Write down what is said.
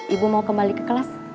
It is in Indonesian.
ibu mau kembali ke kelas